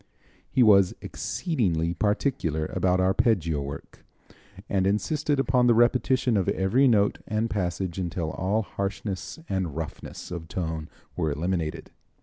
He was exceedingly particular about arpeggio work, and insisted upon the repetition of every note and passage until all harshness and roughness of tone were eliminated.